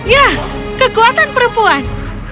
ya kekuatan perempuan